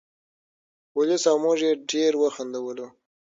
پولیس او موږ یې ډېر وخندولو.